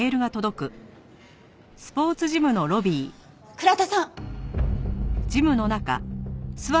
倉田さん！